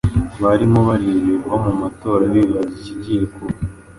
barimo bareba ibiva mu matora bibaza ikigiye kuba,